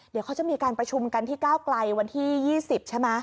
เดี๋ยวเขาจะมีการประชุมกันที่ก้าวไกลวันที่๒๐ใช่ไหม